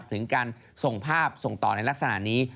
ถึงการส่งภาพส่งต่อในลักษณะนี้